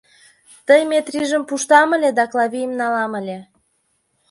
Тый Метрижым пуштам ыле да Клавийым налам ыле.